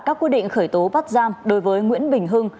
các quy định khởi tố bắt giam đối với nguyễn bình hưng